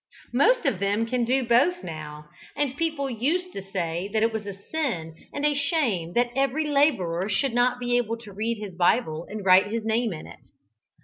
Most of them can do both now, and people used to say that it was a sin and a shame that every labourer should not be able to read his Bible and write his name in it.